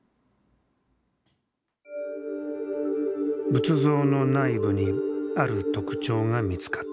仏像の内部にある特徴が見つかった。